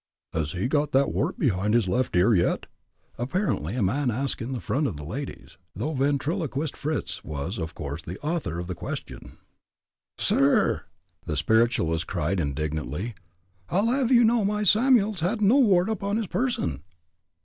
"Has he got that wart behind his left ear yet?" apparently asked a man in front of the ladies, though Ventriloquist Fritz was of course the author of the question. "Sir r rh!" the spiritualist cried, indignantly, "I'll have you know my Samuel had no wart upon his person!"